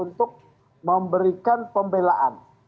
untuk memberikan pembelaan